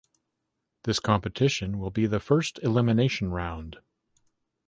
This competition will be the first elimination round.